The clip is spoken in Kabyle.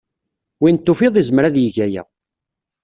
Win tufiḍ izmer ad yeg aya.